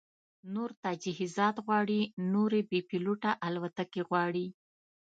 نور تجهیزات غواړي، نورې بې پیلوټه الوتکې غواړي